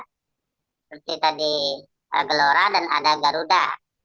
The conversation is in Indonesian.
seperti tadi gelora dan ada garuda